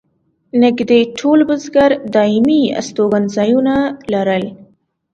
نږدې ټول بزګر دایمي استوګن ځایونه لرل.